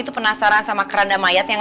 itu penasaran sama keranda mayat yang